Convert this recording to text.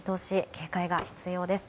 警戒が必要です。